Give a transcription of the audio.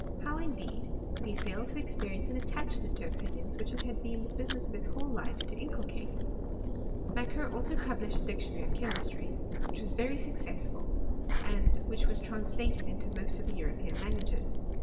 How, indeed, could he &0 to experience an attachment to opinions which it had been the business of his whole life to inculcate ? Macquer also published a dictionary of chemistry, which was very successful, and which was translated into most of the European languages.